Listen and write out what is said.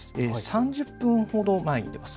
３０分ほど前に出ます。